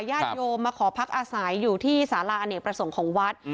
ญาติโยมมาขอพักอาศัยอยู่ที่สาราอเนกประสงค์ของวัด